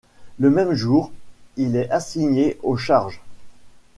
Le même jour, il est assigné au Charge.